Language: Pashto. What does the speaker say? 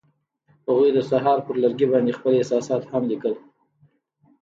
هغوی د سهار پر لرګي باندې خپل احساسات هم لیکل.